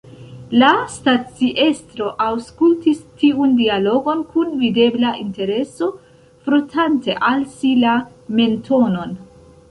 La staciestro aŭskultis tiun dialogon kun videbla intereso, frotante al si la mentonon.